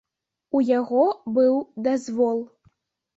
У яго быў дазвол.